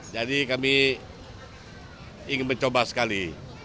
jadi kami ingin mencoba sekali